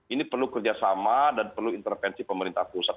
ini perlu kerjasama dan perlu intervensi pemerintah pusat